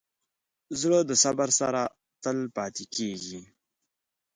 زړه د صبر سره تل پاتې کېږي.